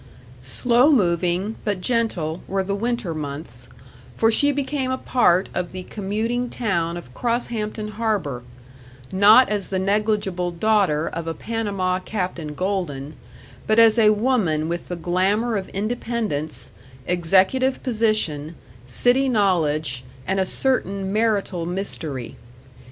Slow moving, but gentle, were the winter months, for she became a part of the commuting town of Crosshampton Harbor, not as the negligible daughter of a Panama Captain Golden, but as a woman with the glamour of independence, executive position, city knowledge, and a certain marital mystery.